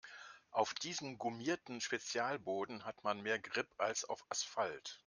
Auf diesem gummierten Spezialboden hat man mehr Grip als auf Asphalt.